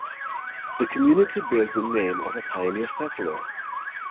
The community bears the name of a pioneer settler.